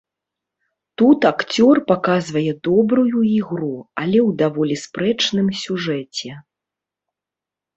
Тут акцёр паказвае добрую ігру, але ў даволі спрэчным сюжэце.